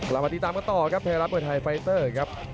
มาติดตามกันต่อครับไทยรัฐมวยไทยไฟเตอร์ครับ